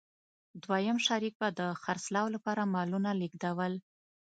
دویم شریک به د خرڅلاو لپاره مالونه لېږدول.